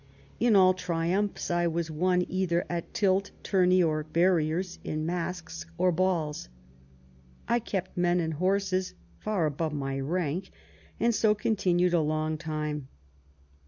In all triumphs I was one, either at tilt, tourney, or barriers, in masque or balls. I kept men and horses far above my rank, and so continued a long time."